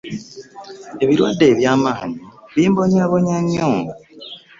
Ebirwadde ebyamanyi bimbonyambonya nnyo.